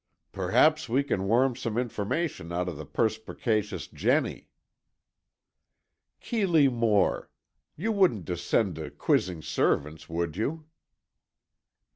"Perhaps we can worm some information out of the perspicacious Jennie." "Keeley Moore! You wouldn't descend to quizzing servants, would you?"